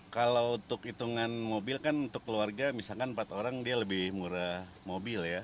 kalau untuk hitungan mobil kan untuk keluarga misalkan empat orang dia lebih murah mobil ya